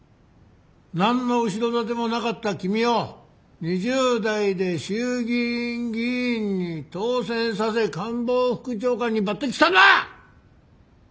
何の後ろ盾もなかった君を２０代で衆議院議員に当選させ官房副長官に抜てきしたのは！